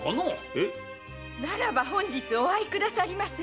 えっ⁉ならば本日お会いくださりませ。